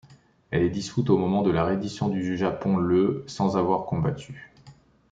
Elle est dissoute au moment de la reddition du Japon le sans avoir combattu.